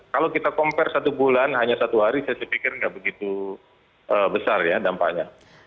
kalau kita compare satu bulan hanya satu hari saya pikir nggak begitu besar ya dampaknya